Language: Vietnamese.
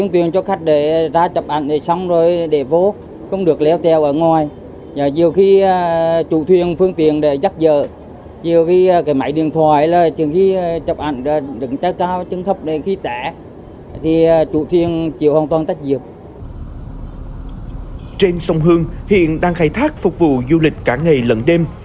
trên sông hương hiện đang khai thác phục vụ du lịch cả ngày lận đêm